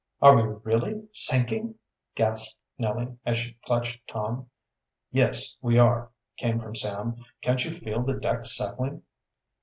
"Are we really sinking?" gasped Nellie as she clutched Tom. "Yes, we are," came from Sam. "Can't you feel the deck settling?"